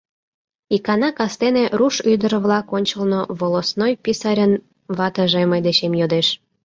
Икана кастене руш ӱдыр-влак ончылно волостной писарьын ватыже мый дечем йодеш: